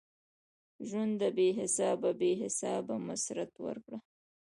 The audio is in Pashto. ژونده بی حسابه ؛ بی حسابه مسرت ورکړه